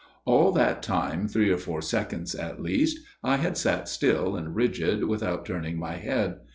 " All that time, three or four seconds at least, I had sat still and rigid without turning my head.